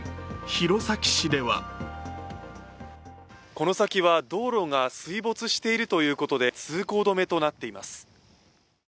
弘前市ではこの先は道路が水没しているということで通行止めになっています。